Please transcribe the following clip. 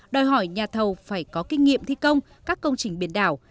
đòi hỏi nhà thầu phải có kinh nghiệm thi công các công trình biển đảo